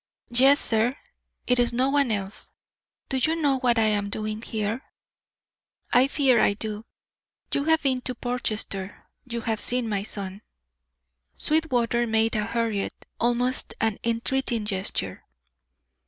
"Yes, sir, it is no one else. Do you know what I am doing here?" "I fear I do. You have been to Portchester. You have seen my son " Sweetwater made a hurried, almost an entreating, gesture.